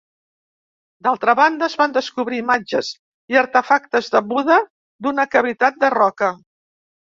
D'altra banda, es van descobrir imatges i artefactes de Buda d'una cavitat de roca.